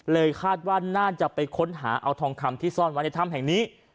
คาดว่าน่าจะไปค้นหาเอาทองคำที่ซ่อนไว้ในถ้ำแห่งนี้